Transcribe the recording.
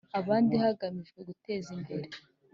abandi hagamijwe guteza imbere